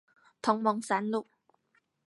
同盟三路